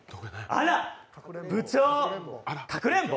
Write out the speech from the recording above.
あら、部長、かくれんぼ？